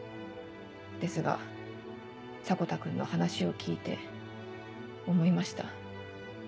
ですが迫田君の話を聞いて思いました。